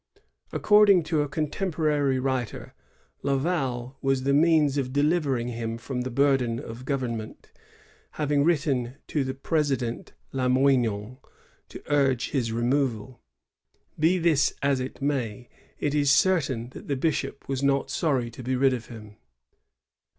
According to a contemporary writer, Laval was the means of delivering him from the burden of government, having written to the Presi dent Lamoignon to urge his removal.^ Be this as it may, it is certain that the bishop was not sorry to be rid of him.